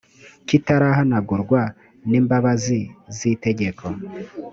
kitarahanagurwa n imbabazi z itegeko